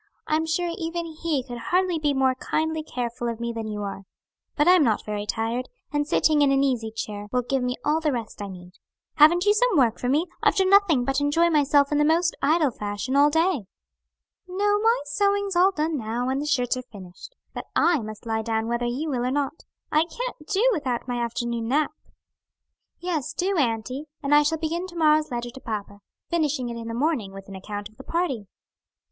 "I'm sure even he could hardly be more kindly careful of me than you are. But I am not very tired, and sitting in an easy chair will give me all the rest I need. Haven't you some work for me? I've done nothing but enjoy myself in the most idle fashion all day." "No, my sewing's all done now that the shirts are finished. But I must lie down whether you will or not. I can't do without my afternoon nap." "Yes, do, auntie; and I shall begin to morrow's letter to papa; finishing it in the morning with an account of the party."